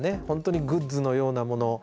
本当にグッズのようなもの